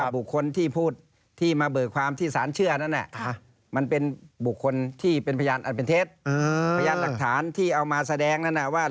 หรือว่าเป็นเอกสารหลักฐานต่างก็ได้